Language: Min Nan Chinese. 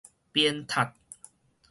鞭撻